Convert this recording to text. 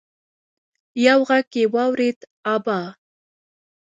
يو غږ يې واورېد: ابا!